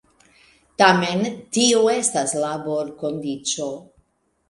Tamen tio estas laborkondiĉo.